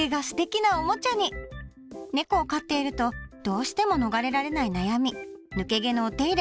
ねこを飼っているとどうしても逃れられない悩み抜け毛のお手入れ。